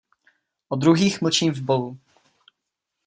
O druhých mlčím v bolu.